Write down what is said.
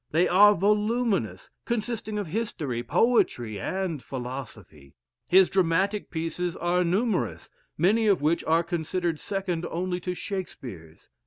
They are voluminous, consisting of history, poetry, and philosophy. His dramatic pieces are numerous, many of which are considered second only to Shakespeare's.